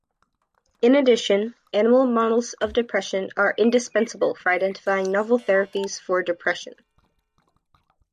In addition, animal models of depression are indispensable for identifying novel therapies for depression.